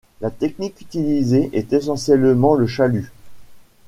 La technique utilisée est essentiellement le chalut.